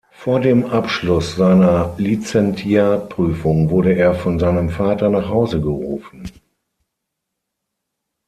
Vor dem Abschluss seiner Lizentiat-Prüfung wurde er von seinem Vater nach Hause gerufen.